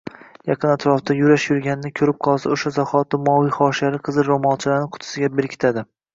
Yaqin-atrofda Yurash yurganini koʻrib qolsa, oʻsha zahoti moviy hoshiyali qizil roʻmolchalarini qutisiga berkitadi.